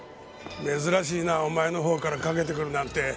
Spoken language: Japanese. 珍しいなお前の方からかけてくるなんて。